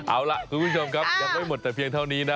เอาล่ะคุณผู้ชมครับยังไม่หมดแต่เพียงเท่านี้นะ